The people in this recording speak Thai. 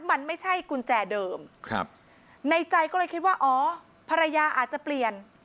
มันไม่ใช่กุญแจเดิมครับในใจก็เลยคิดว่าอ๋อภรรยาอาจจะเปลี่ยน